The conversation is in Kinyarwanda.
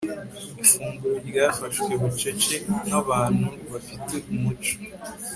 ifunguro ryafashwe bucece nkabanu bafite umuco